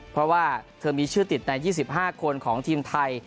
เพราะว่าเธอมีชื่อติดใน๒๕คนของทีมไทย